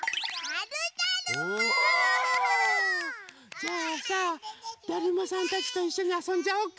じゃあさだるまさんたちといっしょにあそんじゃおうか。